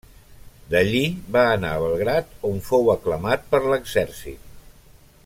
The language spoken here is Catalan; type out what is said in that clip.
D'allí va anar a Belgrad on fou aclamat per l'exèrcit.